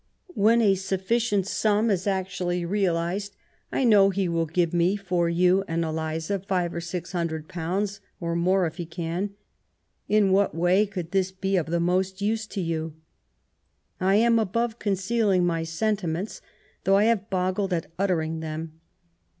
When a sufficient sum is actually realized, I know he will give me for you and Eliza five or six hundred pounds, or more if he can. In what way could this be of the most use to you ? I am above concealing my sentiments, though I have boggled at uttering them.